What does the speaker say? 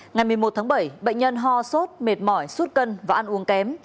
ngày một mươi một tháng bảy bệnh nhân ho sốt mệt mỏi sút cân và ăn uống kém